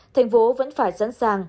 tp hcm vẫn phải sẵn sàng